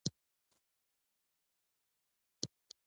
رومیان د سترګو دید ښه کوي